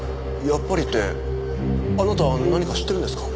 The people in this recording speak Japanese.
やっぱりってあなた何か知ってるんですか？